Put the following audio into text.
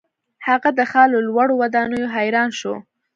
هغه د ښار له لوړو ودانیو حیران شو.